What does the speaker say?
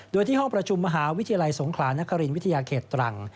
โดยที่ห้องประชุมมหาวิทยาลัยสงขลานครินวิทยาเขตตรัง